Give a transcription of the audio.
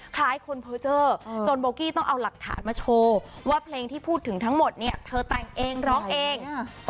คล้ายคนเพอร์เจอร์จนโบกี้ต้องเอาหลักฐานมาโชว์ว่าเพลงที่พูดถึงทั้งหมดเนี่ยเธอแต่งเองร้องเอง